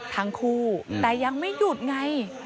ทั้งคู่แต่ยังไม่หยุดไง